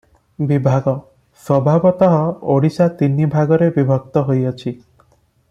ବିଭାଗ - ସ୍ୱଭାବତଃ ଓଡ଼ିଶା ତିନି ଭାଗରେ ବିଭକ୍ତ ହୋଇଅଛି ।